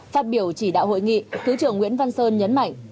phát biểu chỉ đạo hội nghị thứ trưởng nguyễn văn sơn nhấn mạnh